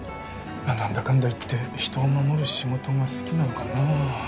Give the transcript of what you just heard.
まあなんだかんだ言って人を護る仕事が好きなのかもな。